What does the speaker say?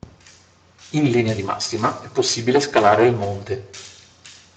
In linea di massima è possibile scalare il monte.